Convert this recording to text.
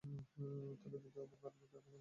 তাকে দেখে ভাঙ্গাড়ি বিক্রেতা মনে হয়।